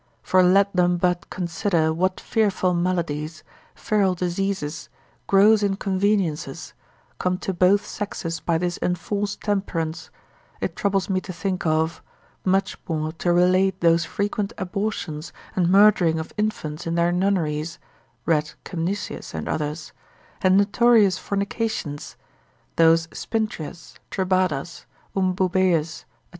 For let them but consider what fearful maladies, feral diseases, gross inconveniences, come to both sexes by this enforced temperance, it troubles me to think of, much more to relate those frequent abortions and murdering of infants in their nunneries (read Kemnitius and others), and notorious fornications, those Spintrias, Tribadas, Ambubeias, &c.